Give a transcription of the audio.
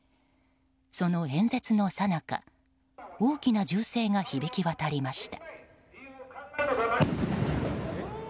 その演説のさなか大きな銃声が響き渡りました。